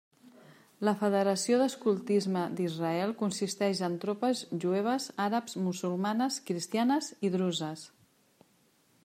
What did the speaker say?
La federació d'escoltisme d'Israel consisteix en tropes jueves, àrabs, musulmanes, cristianes i druses.